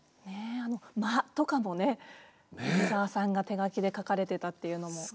間とかもね飯沢さんが手書きで書かれてたっていうのも。